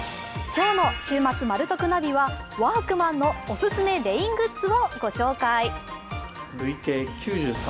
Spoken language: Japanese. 今日の「週末マル得ナビ」はワークマンのおすすめレイングッズを御紹介。